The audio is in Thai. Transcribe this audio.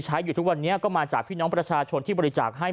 อยู่ทุกวันนี้ก็มาจากพี่น้องประชาชนที่บริจาคให้